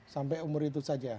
sampai umur itu saja